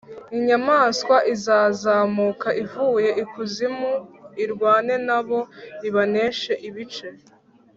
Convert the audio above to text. inyamaswa izazamuka ivuye ikuzimu irwane na bo, ibaneshe ibīce.